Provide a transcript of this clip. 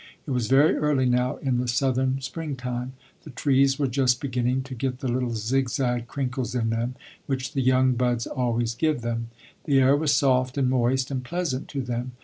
It was very early now in the southern springtime. The trees were just beginning to get the little zigzag crinkles in them, which the young buds always give them. The air was soft and moist and pleasant to them.